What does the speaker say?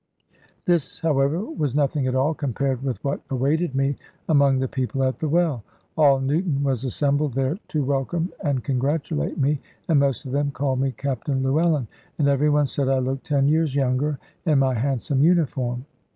This, however, was nothing at all, compared with what awaited me among the people at the well. All Newton was assembled there to welcome and congratulate me, and most of them called me "Captain Llewellyn," and every one said I looked ten years younger in my handsome uniform.